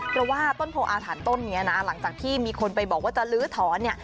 เพราะว่าต้นโพออาถรรพ์ต้นนี้นะหลังจากที่มีคนไปบอกว่าจะลื้อถอนเนี่ย